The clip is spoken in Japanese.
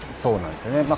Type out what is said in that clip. そうなんですよね。